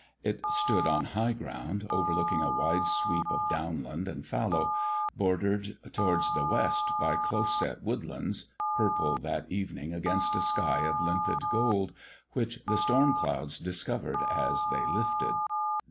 It stood on high ground, overlooking a wide sweep of downland and fallow, bordered towards the west by close set woodlands, purple that evening against a sky of limpid gold, which the storm clouds discovered as they lifted.